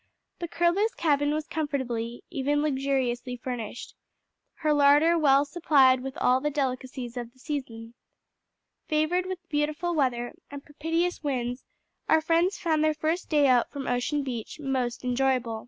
The Curlew's cabin was comfortably, even luxuriously furnished, her larder well supplied with all the delicacies of the season. Favored with beautiful weather and propitious winds, our friends found their first day out from Ocean Beach most enjoyable.